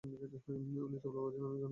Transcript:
উনি তবলা বাজান, আমি গান করি।